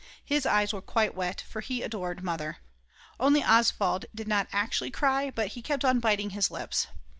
His eyes were quite wet; for he adored Mother. Only Oswald did not actually cry, but he kept on biting his lips.